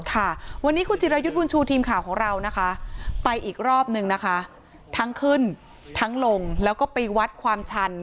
ค่ะวันนี้คุณจิรายุทธ์บุญชูทีมข่าวของเรานะคะไปอีกรอบนึงนะคะทั้งขึ้นทั้งลงแล้วก็ไปวัดความชัน